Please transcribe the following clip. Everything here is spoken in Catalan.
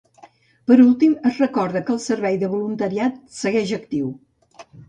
Per últim, es recorda que el servei de voluntariat segueix actiu.